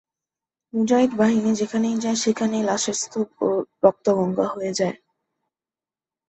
মুজাহিদ বাহিনী যেখানেই যায় সেখানেই লাশের স্তূপ এবং রক্তগঙ্গা বয়ে যায়।